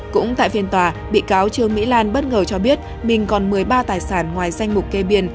cũng tại phiên tòa bị cáo trương mỹ lan bất ngờ cho biết mình còn một mươi ba tài sản ngoài danh mục kê biên